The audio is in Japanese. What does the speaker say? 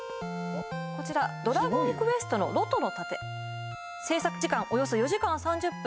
こちら「ドラゴンクエスト」のロトの盾製作時間およそ４時間３０分